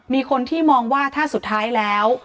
มีคนที่มองว่าถ้าสุดท้ายแล้ว